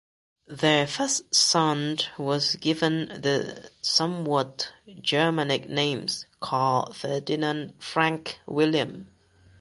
Their first son was given the somewhat Germanic names Karl Ferdinand Franck William.